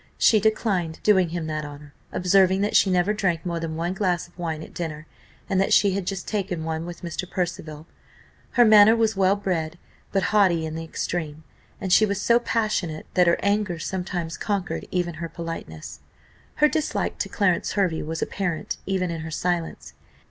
She declined doing him that honour; observing that she never drank more than one glass of wine at dinner, and that she had just taken one with Mr. Percival. Her manner was well bred, but haughty in the extreme; and she was so passionate, that her anger sometimes conquered even her politeness. Her dislike to Clarence Hervey was apparent, even in her silence.